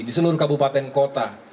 di seluruh kabupaten kota